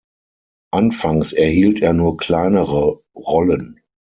Anfangs erhielt er nur kleinere Rollen.